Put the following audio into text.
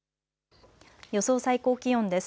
予想最高気温です。